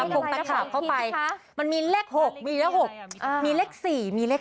คงตะขาบเข้าไปมันมีเลข๖มีเลข๖มีเลข๔มีเลข๕